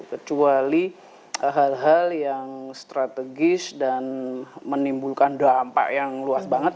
kecuali hal hal yang strategis dan menimbulkan dampak yang luas banget